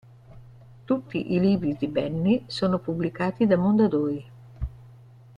Tutti i libri di "Benny" sono pubblicati da Mondadori.